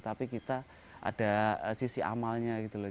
tapi kita ada sisi amalnya gitu loh